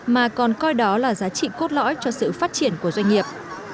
mà còn coi đó là giá trị cốt lõi cho sự phát triển của doanh nghiệp